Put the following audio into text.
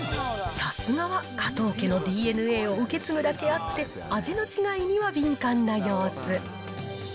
さすがは加藤家のＤＮＡを受け継ぐだけあって、味の違いには敏感な様子。